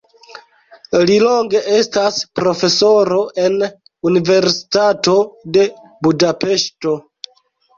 Li longe estas profesoro en Universitato de Budapeŝto.